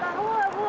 tahu lah bu